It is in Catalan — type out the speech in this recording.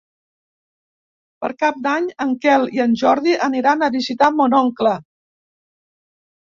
Per Cap d'Any en Quel i en Jordi aniran a visitar mon oncle.